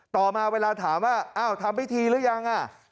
ต่อมาเวลาถามว่าอ้าวทำพิธีหรือยัง